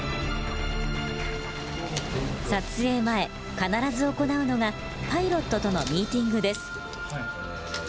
撮影前必ず行うのがパイロットとのミーティングです。